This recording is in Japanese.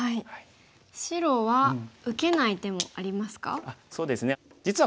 白は受けない手もありますか？